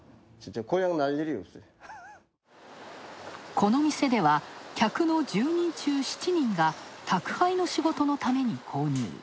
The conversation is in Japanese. この店では、客の１０人中７人が宅配の仕事のために購入。